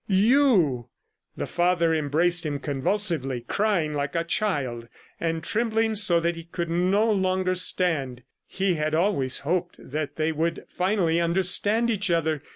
... You! ..." The father embraced him convulsively, crying like a child, and trembling so that he could no longer stand. He had always hoped that they would finally understand each other.